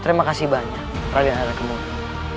terima kasih banyak raden adel kemurung